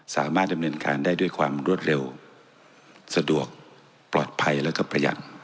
สามารถดำเนินการได้ด้วยความรวดเร็วสะดวกปลอดภัยแล้วก็ประหยัด